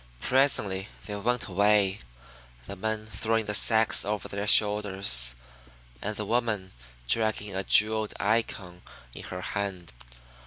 Presently they went away, the men throwing the sacks over their shoulders, and the woman dragging a jeweled Icon in her hand.